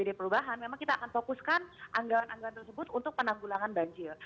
jadi perubahan memang kita akan fokuskan anggaran anggaran tersebut untuk penanggulangan banjir